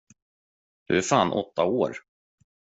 Du är fan åtta år!